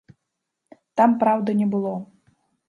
Там праўды не было.